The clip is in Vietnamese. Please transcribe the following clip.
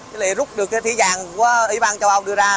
chứ lại rút được cái thí dạng của ủy ban châu âu đưa ra